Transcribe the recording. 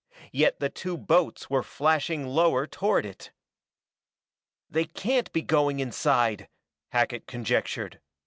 Yet the two boats were flashing lower toward it. "They can't be going inside!" Hackett conjectured.